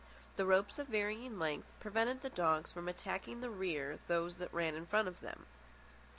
The ropes of varying length prevented the dogs attacking from the rear those that ran in front of them.